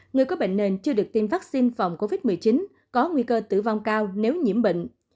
người có bệnh nền chưa được tiêm vaccine phòng covid một mươi chín có nguy cơ tử vong cao nếu nhiễm bệnh